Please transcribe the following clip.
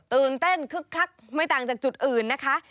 ตื่นเต้นคึกคักไม่ต่างจากจุดอื่นนะคะ